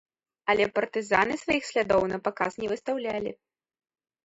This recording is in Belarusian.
Але партызаны сваіх слядоў напаказ не выстаўлялі.